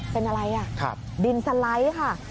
เป็นอะไรอ่ะดินสไลด์ค่ะ